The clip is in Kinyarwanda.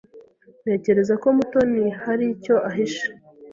Ntekereza ko Mutoni hari icyo ahishe.